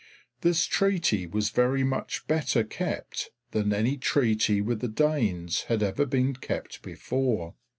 This treaty was very much better kept than any treaty with the Danes had ever been kept before.